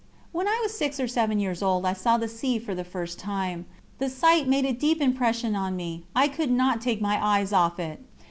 When I was six or seven years old I saw the sea for the first time. The sight made a deep impression on me, I could not take my eyes off it.